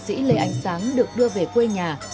sau khi linh cữu liệt sĩ lê ánh sáng được đưa về quê nhà